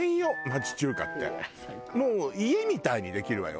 もう家みたいにできるわよ。